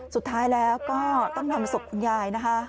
สุดท้ายแล้วก็ต้องนำศพคุณยายนะคะ